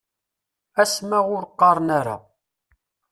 Asma ur qqaren ara.